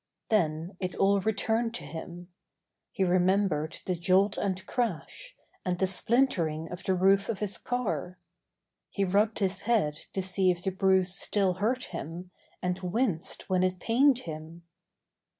Then it all returned to him. He remembered the jolt and crash, and the splint ering of the roof of his car. He rubbed his head to see if the bruise still hurt him, and winced when it pained him.